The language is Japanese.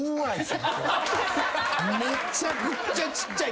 めっちゃくっちゃちっちゃい。